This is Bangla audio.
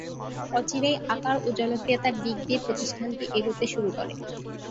অচিরেই আকার ও জনপ্রিয়তার দিক দিয়ে প্রতিষ্ঠানটি এগোতে শুরু করে।